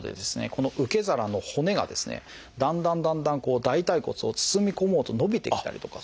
この受け皿の骨がですねだんだんだんだん大腿骨を包み込もうと伸びてきたりとか。